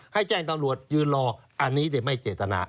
ให้แจ้งตำรวจยืนรออันนี้เดี๋ยวไม่เจตนา